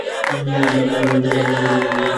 আপনার ঘড়ি আর চাবিটা আমাকে দিন।